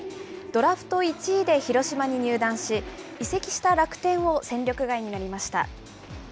ドラフト１位で広島に入団し、移籍した楽天を戦力外になりました。